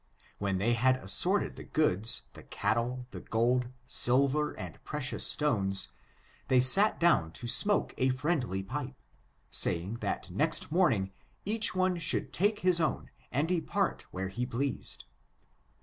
When they had assorted the goods, the cattle, the gold, silver and precious stones, they sat down to smoke a friendly pipe, saying that next morning each one should take his own and de part where ho pleased.